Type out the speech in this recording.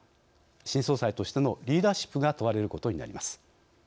新総裁としてのリーダーシップが問われることになります。